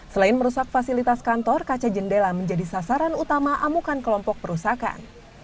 selain merusak fasilitas kantor kaca jendela menjadi sasaran utama amukan kelompok perusakan